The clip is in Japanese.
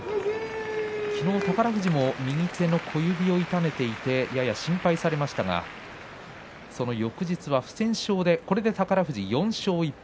昨日、宝富士も右手の小指を痛めていてやや心配されましたがその翌日不戦勝でこれで宝富士４勝１敗。